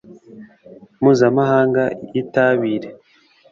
mpuzamahanga yitabira